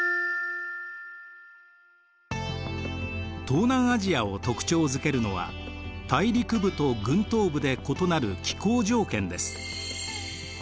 東南アジアを特徴づけるのは大陸部と群島部で異なる気候条件です。